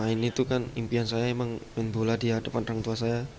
ini tuh kan impian saya emang bola di hadapan orang tua saya